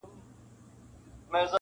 چي قاتِل مي د رڼا تر داره یو سم.